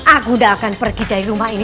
aku tidak akan pergi dari rumah ini